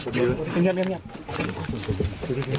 สวัสดีครับคุณผู้ชาย